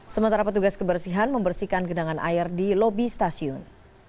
sementara petugas kebersihan membersihkan genangan air di lobi stasiun